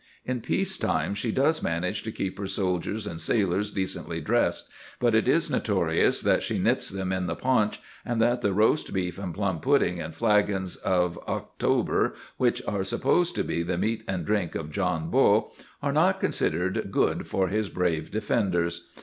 In peace time she does manage to keep her soldiers and sailors decently dressed, but it is notorious that she nips them in the paunch, and that the roast beef and plum pudding and flagons of October which are supposed to be the meat and drink of John Bull are not considered good for his brave defenders.